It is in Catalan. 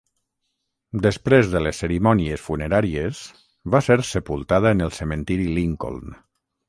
Després de les cerimònies funeràries, va ser sepultada en el Cementiri Lincoln.